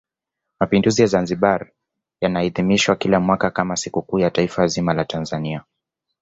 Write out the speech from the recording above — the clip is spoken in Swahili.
mapinduzi ya Zanzibar yanaadhimishwa kila mwaka kama sikukuu ya taifa zima la Tanzania